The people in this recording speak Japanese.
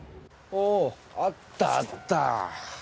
おおあったあった。